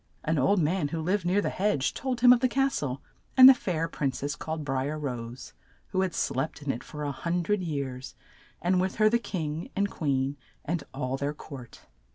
An old man who lived near the hedge told him of the cas tle and the fair prin cess, called Bri er Rose, who had slept in it for a hun dred years, and with her the king and queen and all their court.